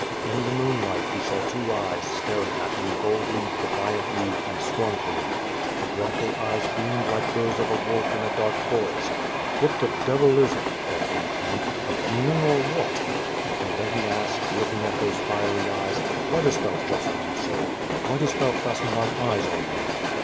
In the moonlight he saw two eyes staring at him boldly, defiantly, and scornfully. The dreadful eyes gleamed like those of a wolf in a dark forest. "What the devil is it?" thought the lieutenant. "A demon, or what?" and then he asked, looking at those fiery eyes: "Why dost thou jostle me so? Why dost thou fasten thine eyes on me?"